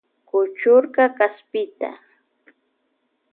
Kuchurka kaspita.